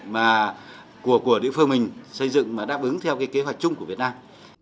mà của địa phương mình xây dựng mà đáp ứng theo cái kế hoạch chung của việt nam